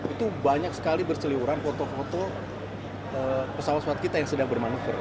itu banyak sekali berseliuran foto foto pesawat pesawat kita yang sedang bermanuver